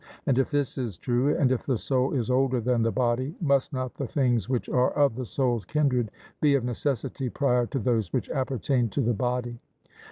And if this is true, and if the soul is older than the body, must not the things which are of the soul's kindred be of necessity prior to those which appertain to the body?